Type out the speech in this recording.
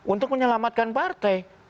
untuk menyelamatkan partai